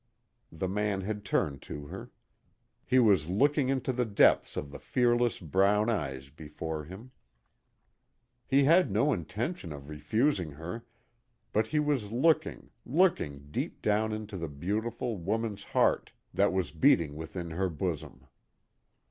The man had turned to her. He was looking into the depths of the fearless brown eyes before him. He had no intention of refusing her, but he was looking, looking deep down into the beautiful, woman's heart that was beating within her bosom.